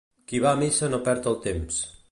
Qui va a missa no perd el temps.